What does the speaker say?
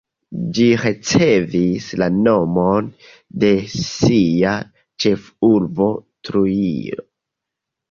Ĝi ricevis la nomon de sia ĉefurbo, Trujillo.